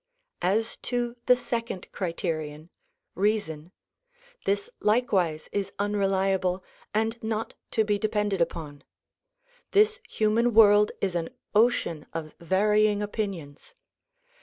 As to the second criterion — reason — this likewise is unreliable and not to be depended upon. This human world is an ocean of varying opinions.